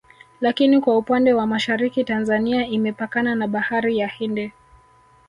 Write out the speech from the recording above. Lakini kwa upande wa Mashariki Tanzania imepakana na Bahari ya Hindi